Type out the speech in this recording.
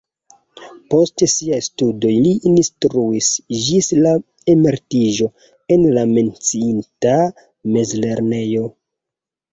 Post siaj studoj li instruis ĝis la emeritiĝo en la menciita mezlernejo.